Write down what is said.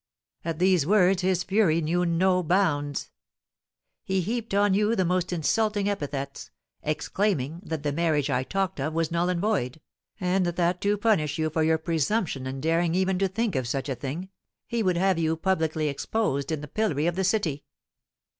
At these words his fury knew no bounds. He heaped on you the most insulting epithets, exclaiming that the marriage I talked of was null and void, and that to punish you for your presumption in daring even to think of such a thing, he would have you publicly exposed in the pillory of the city.